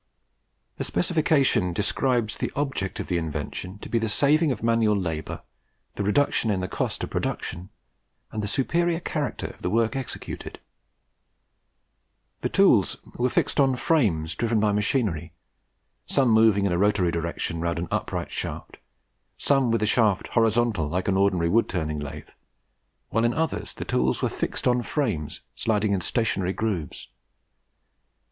The specification describes the object of the invention to be the saving of manual labour, the reduction in the cost of production, and the superior character of the work executed. The tools were fixed on frames driven by machinery, some moving in a rotary direction round an upright shaft, some with the shaft horizontal like an ordinary wood turning lathe, while in others the tools were fixed on frames sliding in stationary grooves.